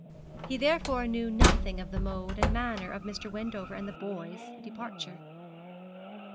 He therefore knew nothing of the mode and manner of Mr. Wendover and the boy's departure.